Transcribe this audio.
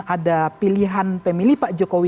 ada pilihan pemilih pak jokowi